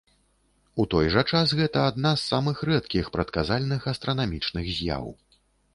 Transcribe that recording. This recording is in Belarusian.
У той жа час, гэта адна з самых рэдкіх прадказальных астранамічных з'яў.